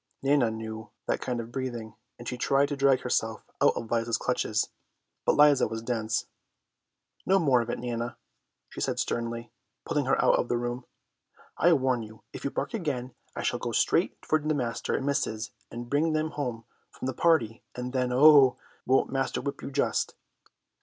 Nana knew that kind of breathing, and she tried to drag herself out of Liza's clutches. But Liza was dense. "No more of it, Nana," she said sternly, pulling her out of the room. "I warn you if you bark again I shall go straight for master and missus and bring them home from the party, and then, oh, won't master whip you, just."